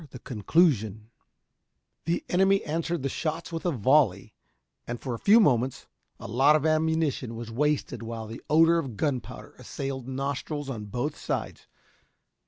CHAPTER XXIV CONCLUSION The enemy answered the shots with a volley, and for a few moments a lot of ammunition was wasted while the odor of gunpowder assailed nostrils on both sides.